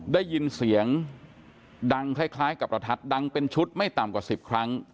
ได้ยินเสียงดังคล้ายกับประทัดดังเป็นชุดไม่ต่ำกว่า๑๐ครั้ง